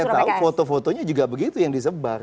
saya tahu foto fotonya juga begitu yang disebar